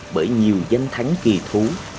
bởi nhiều danh thắng kỳ thú